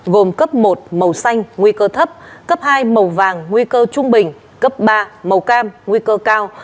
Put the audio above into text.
gồm cấp một màu xanh nguy cơ thấp cấp hai màu vàng nguy cơ trung bình cấp ba màu cam nguy cơ cao